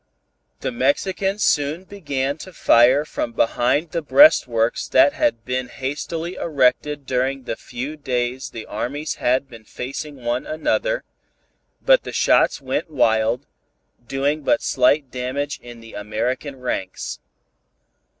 The Mexicans soon began to fire from behind the breastworks that had been hastily erected during the few days the armies had been facing one another, but the shots went wild, doing but slight damage in the American ranks.